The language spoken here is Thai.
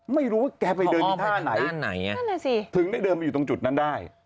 ไม่รู้ว่าแกไปเดินที่ท่าไหนถึงได้เดินมาอยู่ตรงจุดนั้นได้